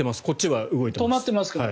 こっちは動いています。